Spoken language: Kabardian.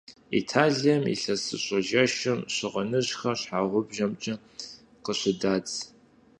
Италием ИлъэсыщӀэ жэщым щыгъыныжьхэр щхьэгъубжэмкӀэ къыщыдадз.